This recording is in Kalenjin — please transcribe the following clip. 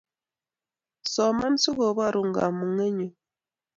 Soman sikobarun kamunget nyu